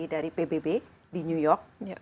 dari pbb di new york